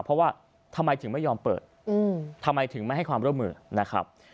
เพราะว่าทำไมถึงไม่ยอมเปิดทำไมถึงไม่ให้ความร่วมมือนะครับ